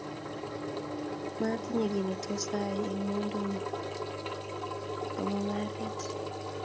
matinye gii ne tos ai eng ' mwanduni ab mungaret